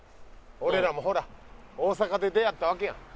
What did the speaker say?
俺らもほら大阪で出会ったわけやん。